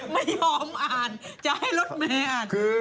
ไม่ยอมอ่านจะให้รถเมย์อ่าน